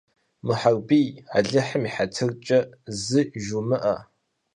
Мухьэрбий, Алыхьым и хьэтыркӀэ, зы жумыӀэ.